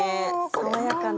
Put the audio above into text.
爽やかな。